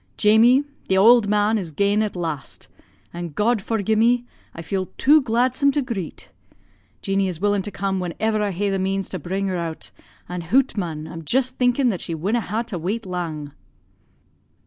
'Jamie, the auld man is gane at last an', God forgi'e me, I feel too gladsome to greet. Jeanie is willin' to come whenever I ha'e the means to bring her out, an', hout man, I'm jist thinkin' that she winna' ha'e to wait lang.'